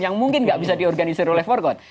yang mungkin tidak bisa diorganisir oleh forkot